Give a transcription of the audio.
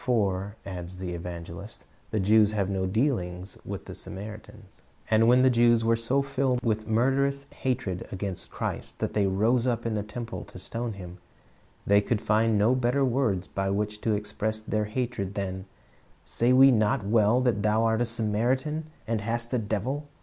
"For," adds the evangelist, "the Jews have no dealings with the Samaritans,"^ Ijohn 4:9 " W/io Is My N c i g hbor ?" 381 And when the Jews were so filled with iiiurderous hatred against Christ that they rose up in the temple to stone Him, they could find no better words by which to express their hatred than, "Say we not well that Thou art a Samaritan, and hast a devil?